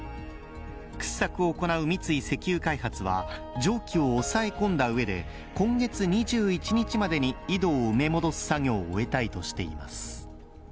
掘削を行う三井石油開発は蒸気を抑え込んだうえで、今月２１日までに井戸を埋め戻す作業を終えたいとしています。